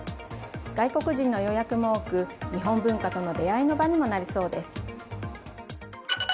外国人の予約も多く日本文化との出会いの場にもなりそうです。